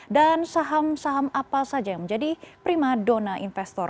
dan saham saham apa saja yang menjadi prima dona investor